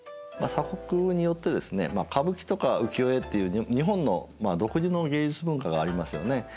まあ鎖国によってですね歌舞伎とか浮世絵っていう日本の独自の芸術文化がありますよね。